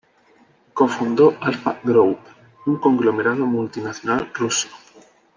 Cofundó Alfa Group, un conglomerado multinacional ruso.